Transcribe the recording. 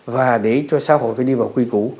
và để cho xã hội đi vào quy cũ